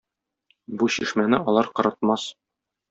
Бу чишмәне алар корытмас.